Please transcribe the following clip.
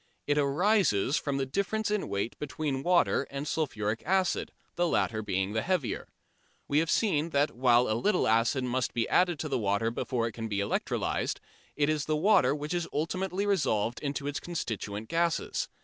It arises from the difference in weight between water and sulphuric acid, the latter being the heavier. We have seen that while a little acid must be added to water before it can be electrolysed, it is the water which is ultimately resolved into its constituent gases.